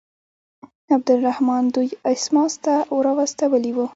عبدالرحمن دوی اسماس ته راوستلي وه.